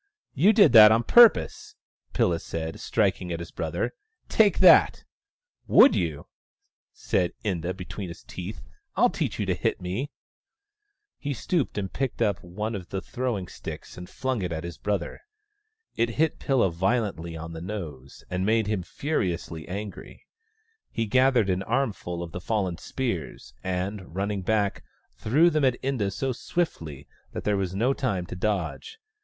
" You did that on purpose !" Pilla said, striking at his brother. " Take that !"" Would you !" said Inda, between his teeth. " I'll teach you to hit me !" THE STONE AXE OF BURKAMUKK 33 He stooped and picked up one of the throwing sticks and flung it at his brother. It hit Pilla violently on the nose, and made him furiously angry. He gathered an armful of the fallen spears, and, running back, threw them at Inda so swiftly that there was no time to dodge.